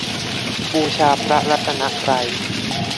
บูชาพระรัตนตรัย